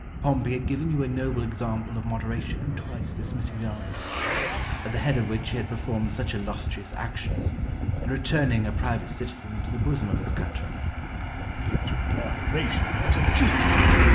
Scipio. Pompey had given you a noble example of moderation in twice dismissing the armies, at the head of which he had performed such illustrious actions, and returning a private citizen into the bosom of his country. Caesar. His moderation was a cheat.